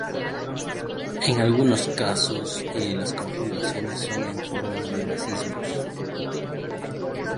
En algunos casos, las configuraciones son en forma de racimos.